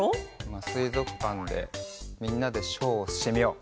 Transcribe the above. まあすいぞくかんでみんなでショーをしてみよう。